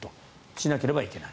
しなければいけない。